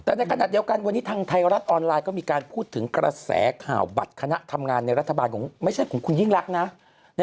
แต่ในขณะเดียวกันวันนี้ทางไทยรัฐออนไลน์ก็มีการพูดถึงกระแสข่าวบัตรคณะทำงานในรัฐบาลของไม่ใช่ของคุณยิ่งรักนะ